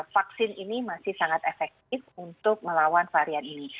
vaksin ini masih sangat efektif untuk melawan varian ini